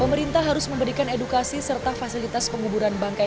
pemerintah harus memberikan edukasi serta fasilitas penguburan bangkai